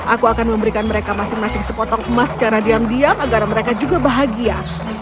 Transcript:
aku akan memberikan mereka masing masing sepotong emas secara diam diam agar mereka juga bahagia